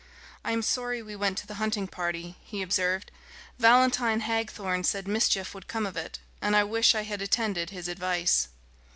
"I am sorry we went to the hunting party," he observed. "Valentine Hagthorne said mischief would come of it, and I wish I had attended to his advice."